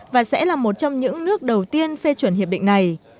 và sẽ là một trong những nước đầu tiên phê chuẩn hiệp định này